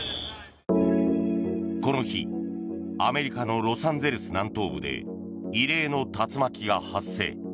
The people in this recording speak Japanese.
この日、アメリカのロサンゼルス南東部で異例の竜巻が発生。